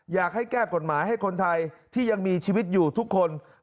อยากให้แก้กฎหมายให้คนไทยที่ยังมีชีวิตอยู่ทุกคน